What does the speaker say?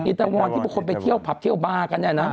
ตามอนที่บางคนไปเที่ยวผับเที่ยวบาร์กันเนี่ยนะ